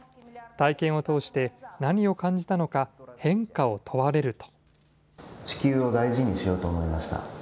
体験を通して何を感じたのか、変化を問われると。